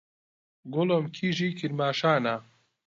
گوڵم کیژی کرماشانا